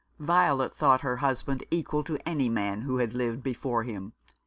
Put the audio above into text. Violet thought her husband equal to any man who had lived before him.